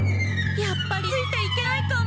やっぱりついていけないかも。